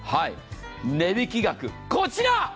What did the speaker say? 値引き額、こちら。